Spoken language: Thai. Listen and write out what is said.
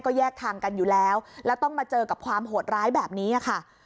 แยกทางกันอยู่แล้วแล้วต้องมาเจอกับความโหดร้ายแบบนี้ค่ะ